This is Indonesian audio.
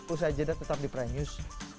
usaha jeddah tetap di prime news